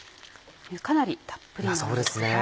かなりたっぷりなんですが。